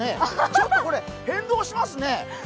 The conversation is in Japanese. ちょっとこれ、変動しますね。